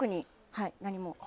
はい、何も。